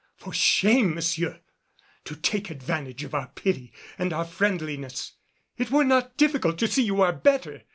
For shame, monsieur! To take advantage of our pity and our friendliness! It were not difficult to see you are better.